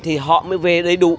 thì họ mới về đầy đủ